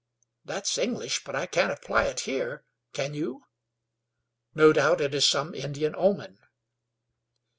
"That's English, but I can't apply it here. Can you?" "No doubt it is some Indian omen."